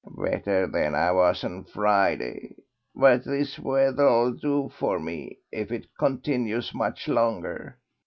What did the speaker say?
"Better than I was on Friday, but this weather'll do for me if it continues much longer....